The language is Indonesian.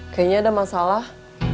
kayaknya ada masalah